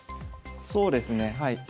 そうですねはい。